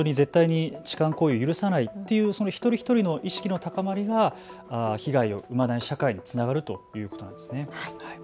本当に絶対に痴漢行為を許さないという一人一人の意識の高まりが被害を生まない社会につながるということですね。